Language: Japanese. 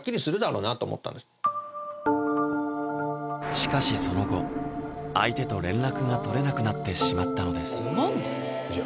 しかしその後相手と連絡が取れなくなってしまったのですいや